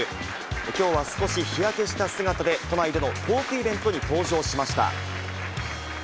きょうは少し日焼けした姿で、都内でのトークイベントに登場しました。